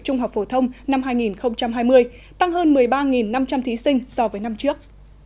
trung học phổ thông năm hai nghìn hai mươi tăng hơn một mươi ba năm trăm linh thí sinh so với năm trước